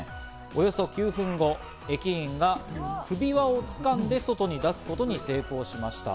およそ９分後、駅員が首輪を掴んで外に出すことに成功しました。